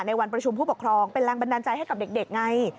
ในวันประชุมผู้ปกครองเป็นแรงบันดาลใจให้กับเด็กไง